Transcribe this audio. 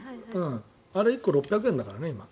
あれ１個６００円だからね今。